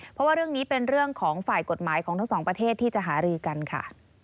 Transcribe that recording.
เพราะว่าเรื่องนี้เป็นเรื่องของฝ่ายกฎหมายของทั้งสองประเทศที่จะหารือกันค่ะ